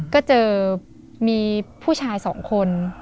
ก็เจอมีผู้ชายสองคน